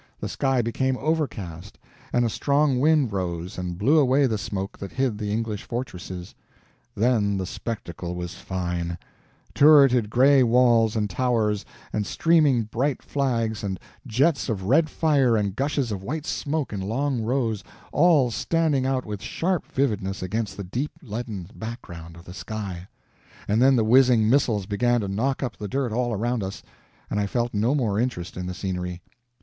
The sky became overcast, and a strong wind rose and blew away the smoke that hid the English fortresses. Then the spectacle was fine; turreted gray walls and towers, and streaming bright flags, and jets of red fire and gushes of white smoke in long rows, all standing out with sharp vividness against the deep leaden background of the sky; and then the whizzing missiles began to knock up the dirt all around us, and I felt no more interest in the scenery.